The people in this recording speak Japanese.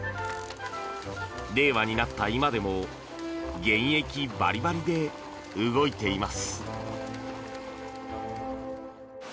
令和になった今でも現役バリバリで動いています。